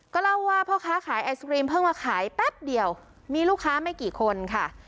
ก็เล่าว่าพ่อค้าขายไอศครีมเพิ่งมาขายแป๊บเดียวมีลูกค้าไม่กี่คนค่ะ